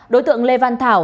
đối tượng lê văn thảo